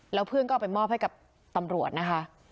แล้วเพื่อนก็เอาไปมอบให้กับตำรวจนะคะ